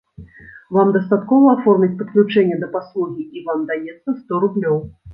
Вам дастаткова аформіць падключэнне да паслугі, і вам даецца сто рублёў.